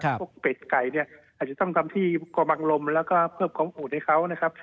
พวกเบ็ดกัยอาจจะต้องทำที่กว่าบังลมแล้วก็เพิ่มค้าอุ่นในเขานะครับ